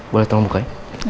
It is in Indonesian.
boleh tolong buka ya